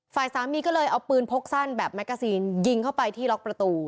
ฝ่ายสามีก็เลยเอาปืนพกสั้นแบบแกซีนยิงเข้าไปที่ล็อกประตู